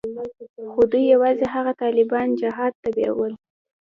خو دوى يوازې هغه طالبان جهاد ته بيول.